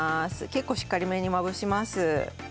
結構、しっかりめにまぶします。